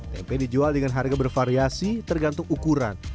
tempe dijual dengan harga bervariasi tergantung ukuran